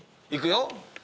いくよ？